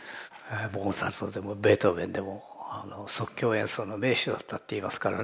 モーツァルトでもベートーベンでも即興演奏の名手だったっていいますからね。